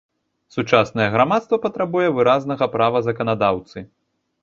Сучаснае грамадства патрабуе выразнага права заканадаўцы.